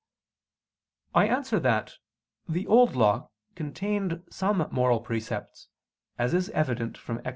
I answer that, The Old Law contained some moral precepts; as is evident from Ex.